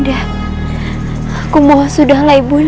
aku mau sudahlah ibu